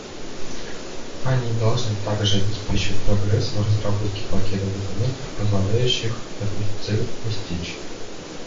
Они должны также обеспечивать прогресс в разработке пакета документов, позволяющих эту цель достичь.